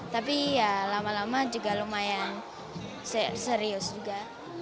tapi ya lama lama juga lumayan serius juga